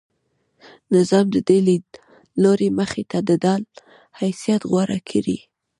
نظام د دې لیدلوري مخې ته د ډال حیثیت غوره کړی.